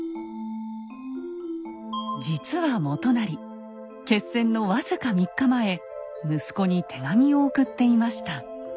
実は元就決戦の僅か３日前息子に手紙を送っていました。